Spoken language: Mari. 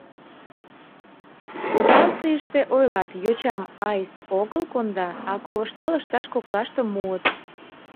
Францийыште ойлат, йочам аист огыл конда, а ковышта лышташ коклаште муыт.